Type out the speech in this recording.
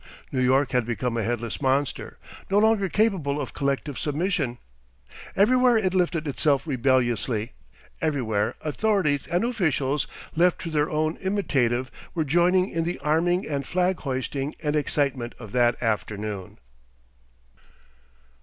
New York had become a headless monster, no longer capable of collective submission. Everywhere it lifted itself rebelliously; everywhere authorities and officials left to their own imitative were joining in the arming and flag hoisting and excitement of that afternoon.